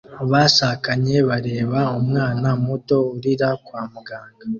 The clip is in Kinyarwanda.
Abashakanye bareba umwana muto urira kwa muganga